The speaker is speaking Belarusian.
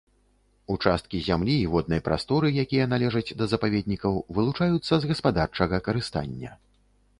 Участкі зямлі і воднай прасторы, якія належаць да запаведнікаў, вылучаюцца з гаспадарчага карыстання.